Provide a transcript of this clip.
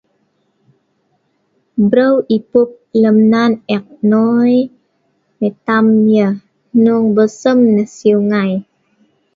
Breu epup lem nan ek nnoi mitam yah, hnong belsem nah siu nai